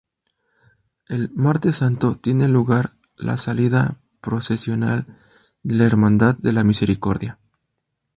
El "Martes Santo" tiene lugar la salida procesional de la Hermandad de la Misericordia.